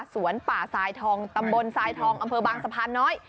สวนป่าทรายทองตำบลทรายทองอำเภอบางสะพานน้อย